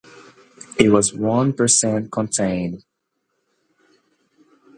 It was one percent contained.